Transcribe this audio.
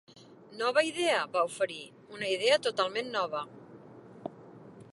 "Nova idea", va oferir, "una idea totalment nova".